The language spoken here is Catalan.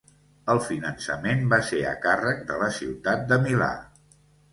El finançament va ser a càrrec de la ciutat de Milà.